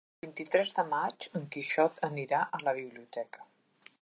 El vint-i-tres de maig en Quixot anirà a la biblioteca.